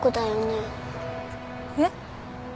えっ？